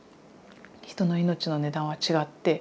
人の命の値段は違って。